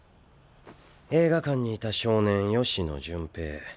映画館にいた少年吉野順平。